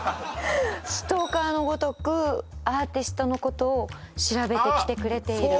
ストーカーのごとくアーティストのことを調べてきてくれているあっ